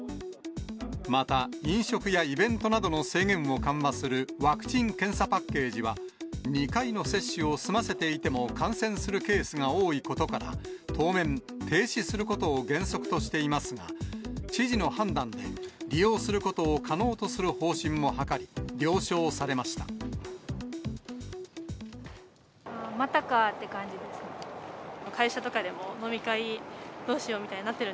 また、飲食やイベントなどの制限を緩和するワクチン・検査パッケージは、２回の接種を済ませていても感染するケースが多いことから、当面、停止することを原則としていますが、知事の判断で利用することを可能とする方針も諮り、了承されましまたかって感じですね。